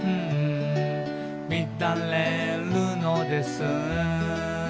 「みだれるのです」